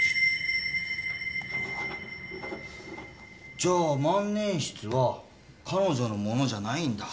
じゃあ万年筆は彼女のものじゃないんだ。